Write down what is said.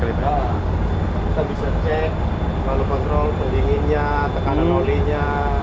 kita bisa cek lalu kontrol pendinginnya tekanan olinya